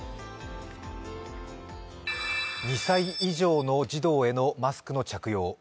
２歳以上の児童へのマスクの着用。